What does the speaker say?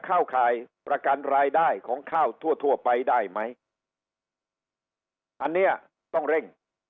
เข้าข่ายประกันรายได้ของข้าวทั่วทั่วไปได้ไหมอันเนี้ยต้องเร่ง